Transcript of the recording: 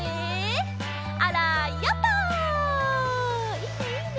いいねいいね。